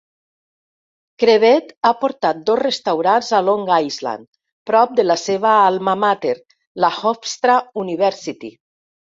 Chrebet ha portat dos restaurants a Long Island prop de la seva alma mater, la Hofstra University.